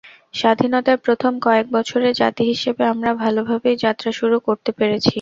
স্বাধীনতার প্রথম কয়েক বছরে, জাতি হিসেবে আমরা ভালোভাবেই যাত্রা শুরু করতে পেরেছি।